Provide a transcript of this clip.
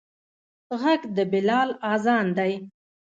غږ د بلال اذان دی